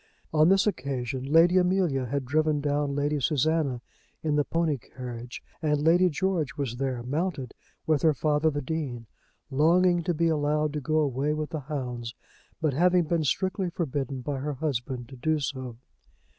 On this occasion Lady Amelia had driven down Lady Susanna in the pony carriage, and Lady George was there, mounted, with her father the Dean, longing to be allowed to go away with the hounds but having been strictly forbidden by her husband to do so.